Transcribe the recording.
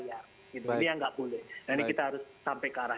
ini yang nggak boleh dan ini kita harus